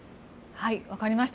わかりました。